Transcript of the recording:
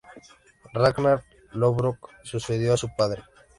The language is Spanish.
Ragnar Lodbrok sucedió a su padre.